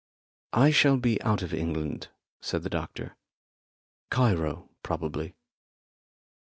"I shall be out of England," said the doctor. "Cairo, probably."